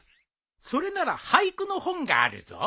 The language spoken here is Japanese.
それなら俳句の本があるぞ。